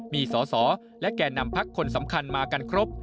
มีสอสอและแก่นำพักคนสำคัญมากันครบ